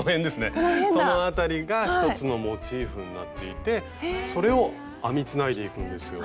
その辺りが１つのモチーフになっていてそれを編みつないでいくんですよ。